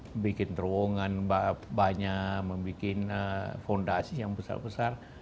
membuat terowongan banyak membuat fondasi yang besar besar